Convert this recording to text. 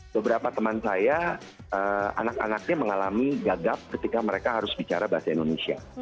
beberapa teman saya anak anaknya mengalami gagap ketika mereka harus bicara bahasa indonesia